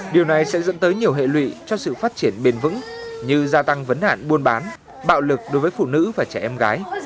điều này sẽ dẫn tới nhiều hệ lụy cho sự phát triển bền vững như gia tăng vấn hạn buôn bán bạo lực đối với phụ nữ và trẻ em gái